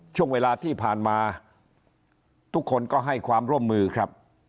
ช่วงเวลาที่ผ่านมาทุกคนก็ให้ความร่วมมือครับ